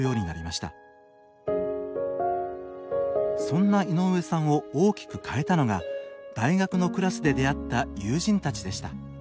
そんな井上さんを大きく変えたのが大学のクラスで出会った友人たちでした。